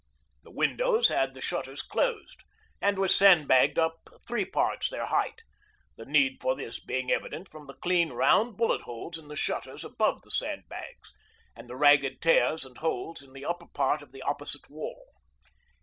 The windows had the shutters closed, and were sandbagged up three parts their height, the need for this being evident from the clean, round bullet holes in the shutters above the sandbags, and the ragged tears and holes in the upper part of the opposite wall.